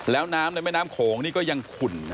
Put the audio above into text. แล้วน้ำในแม่น้ำโขงนี่ก็ยังขุ่น